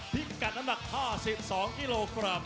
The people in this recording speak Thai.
พิกัดน้ำหนัก๕๒กิโลกรัม